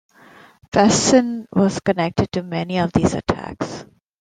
Basson was connected to many of these attacks.